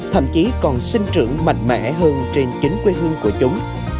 thậm chí còn sinh trưởng mạnh mẽ hơn trên chính quê hương của chúng